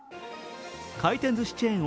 回転ずしチェーン